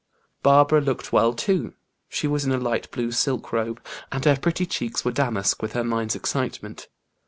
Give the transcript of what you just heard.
Barbara looked well, too; she was in a light blue silk robe, and her pretty cheeks were damask with her mind's excitement.